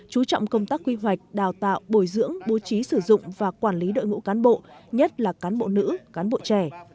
chú trọng công tác quy hoạch đào tạo bồi dưỡng bố trí sử dụng và quản lý đội ngũ cán bộ nhất là cán bộ nữ cán bộ trẻ